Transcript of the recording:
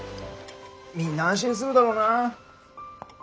みんな安心するだろうな。